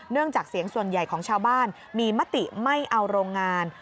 จากเสียงส่วนใหญ่ของชาวบ้านมีมติไม่เอาโรงงาน